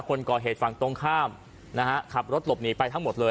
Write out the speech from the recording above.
คนก่อเหตุฝั่งตรงข้ามนะฮะขับรถหลบหนีไปทั้งหมดเลย